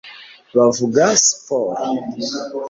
bavuga siporo